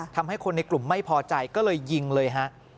ทำให้คนในกลุ่มไม่พอใจก็เลยยิงเลยฮะ